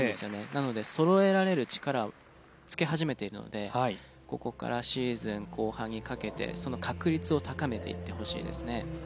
なのでそろえられる力をつけ始めているのでここからシーズン後半にかけてその確率を高めていってほしいですね。